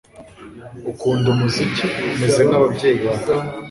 ukunda umuziki umeze nkababyeyi bawe